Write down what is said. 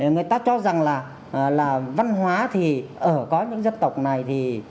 người ta cho rằng là văn hóa thì ở có những dân tộc này thì